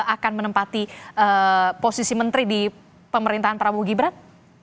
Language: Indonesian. akan menempati posisi menteri di pemerintahan prabowo gibran